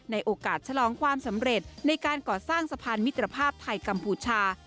โอกาสฉลองความสำเร็จในการก่อสร้างสะพานมิตรภาพไทยกัมพูชา